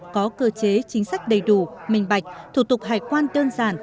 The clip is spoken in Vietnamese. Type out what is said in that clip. có cơ chế chính sách đầy đủ minh bạch thủ tục hải quan đơn giản